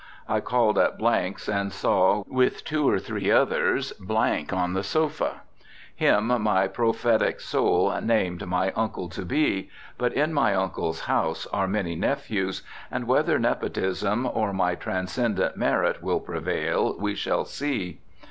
I called at 's and saw, with two or three others, on the sofa. Him my prophetic soul named my uncle to be..... But in my uncle's house are many nephews, and whether nepotism or my transcendent merit will prevail we shall see.